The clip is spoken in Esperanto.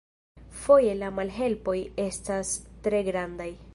Foje la malhelpoj estas tre grandaj!